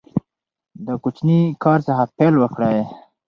د کوچني کار څخه پیل وکړئ.